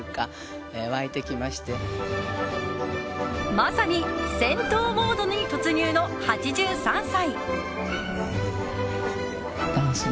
まさに戦闘モードに突入の８３歳。